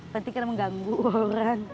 penting kan mengganggu orang